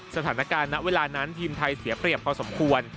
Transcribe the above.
สถานการณ์นั้นเวลานั้นทีมไทยเสียเปรียบพอสมควร